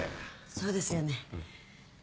そうですよね